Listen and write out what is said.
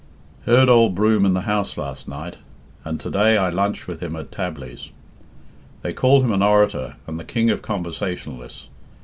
"Heard old Broom in the House last night, and today I lunched with him at Tabley's. They call him an orator and the king of conversationalists.